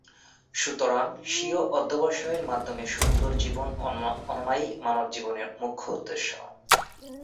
সুতরাং স্বীয় অধ্যবসায়ের মাধ্যমে সুন্দর জীবন আনয়নই মানবজীবনের মূখ্য উদ্দেশ্য।